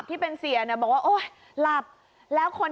ตายเลย